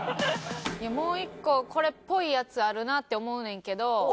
もう１個これっぽいやつあるなって思うねんけど。